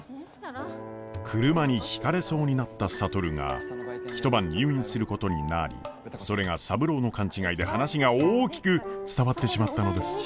車にひかれそうになった智が一晩入院することになりそれが三郎の勘違いで話が大きく伝わってしまったのです。